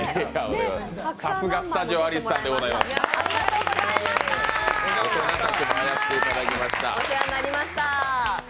さすがスタジオアリスさんでございました。